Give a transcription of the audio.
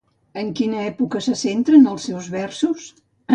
En quina època se centren els seus versos?